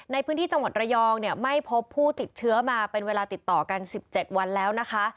ในพื้นที่จังหวัดระยองเนี่ยไม่พบผู้ติดเชื้อมาเป็นเวลาติดต่อกัน๑๗วันแล้วนะคะ